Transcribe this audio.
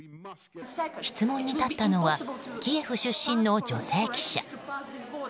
質問に立ったのはキエフ出身の女性記者。